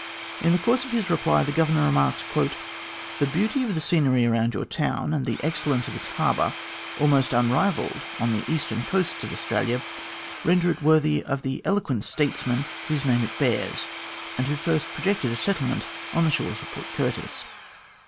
In the course of his reply, the Governor remarked :" The beauty of the scenery around your town, and the excellence of its harbour almost unrivalled on the eastern coasts of Australia render it worthy of the eloquent statesman whose name it bears, and who first projected a settlement on the shores of Port Curtis."